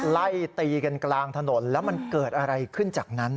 ไล่ตีกันกลางถนนแล้วมันเกิดอะไรขึ้นจากนั้น